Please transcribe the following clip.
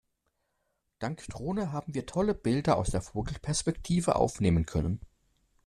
Dank Drohne haben wir tolle Bilder aus der Vogelperspektive aufnehmen können.